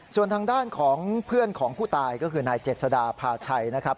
ส่วนทางด้านของเพื่อนของผู้ตายก็คือนายเจษดาพาชัยนะครับ